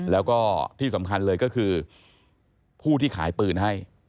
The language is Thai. แล้วก็ที่สำคัญเลยก็คือผู้ที่ขายปืนให้